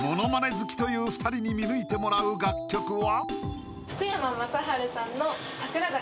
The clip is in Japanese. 好きという２人に見抜いてもらう楽曲は？